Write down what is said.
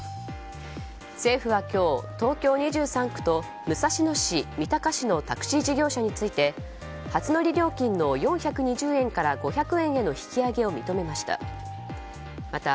政府は今日、東京２３区と武蔵野市、三鷹市のタクシー事業者について初乗り料金の４２０円から５００円への引き上げを認めました。